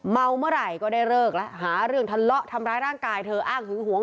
เมาเมื่อไหร่ก็ได้เลิกแล้วหาเรื่องทะเลาะทำร้ายร่างกายเธออ้างหึงหวง